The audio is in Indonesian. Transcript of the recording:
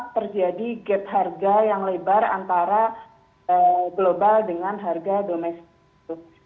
terjadi gap harga yang lebar antara global dengan harga domestik